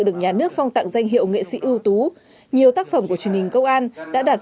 được nhà nước phong tặng danh hiệu nghệ sĩ ưu tú nhiều tác phẩm của truyền hình công an đã đạt